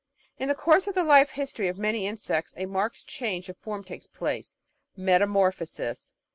In the course of the life history of many insects a marked change of form takes place — ^metamorphosis.